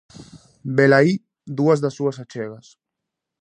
Velaí dúas das súas achegas.